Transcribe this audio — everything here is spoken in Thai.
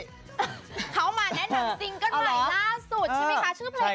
รักกันใหม่ล่าสุดใช่มั้ยคะ